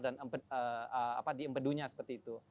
di empedunya seperti itu